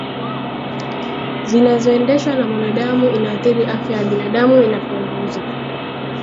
zinazoendeshwa na mwanadamu Inathiri afya ya binadamu inapunguza